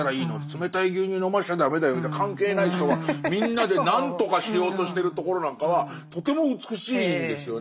冷たい牛乳飲ましちゃ駄目だよみたいな関係ない人がみんなで何とかしようとしてるところなんかはとても美しいんですよね。